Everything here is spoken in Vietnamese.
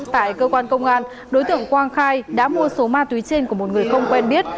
tại cơ quan công an đối tượng quang khai đã mua số ma túy trên của một người không quen biết